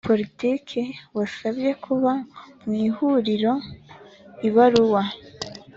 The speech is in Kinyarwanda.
Politiki wasabye kuba mu ihuriro ibaruwa